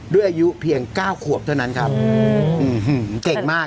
ด้วยอายุเพียง๙ขวบเท่านั้นครับเก่งมาก